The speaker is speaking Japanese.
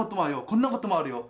こんなこともあるよ